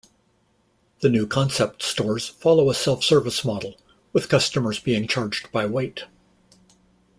The new concept stores follow a self-service model, with customers being charged by weight.